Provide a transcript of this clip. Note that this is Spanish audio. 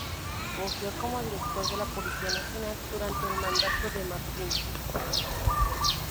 Fungió como Director de la Policía Nacional durante el mandato de Martínez.